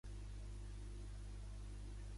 La justícia es pesa amb or.